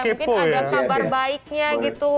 mungkin ada kabar baiknya gitu